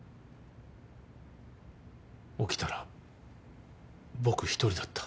起きたら僕一人だった。